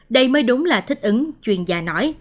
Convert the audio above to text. đây mới đúng là thích ứng chuyên gia nói